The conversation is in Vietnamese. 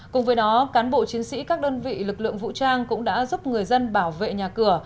cùng với đó cán bộ chiến sĩ các đơn vị lực lượng vũ trang cũng đã giúp người dân bảo vệ nhà cửa